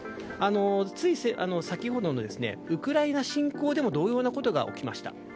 つい先ほどのウクライナ侵攻でも同様のことが起きました。